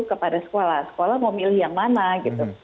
kepada sekolah sekolah mau milih yang mana gitu